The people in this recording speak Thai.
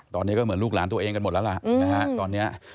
ตอนนี้ก็เหมือนลูกหลานตัวเองกันหมดแล้วล่ะ